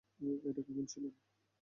এটা কেন ছিল?